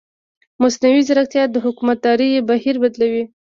مصنوعي ځیرکتیا د حکومتدارۍ بهیر بدلوي.